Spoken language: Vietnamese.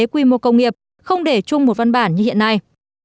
quy mô công nghiệp không để chung một văn bản như hiện nay